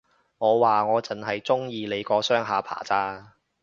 我話，我剩係鍾意你個雙下巴咋